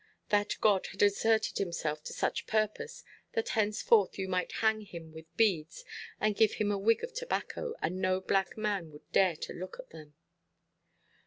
That god had asserted himself to such purpose, that henceforth you might hang him with beads, and give him a wig of tobacco, and no black man would dare to look at them.